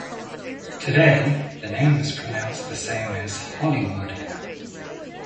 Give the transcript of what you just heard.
Today, the name is pronounced the same as "Hollywood".